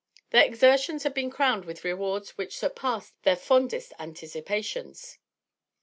Their exertions had been crowned with rewards which surpassed their fondest anticipations.